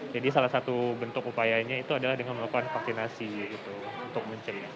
jadi salah satu bentuk upayanya itu adalah dengan melakukan vaksinasi itu untuk mencegah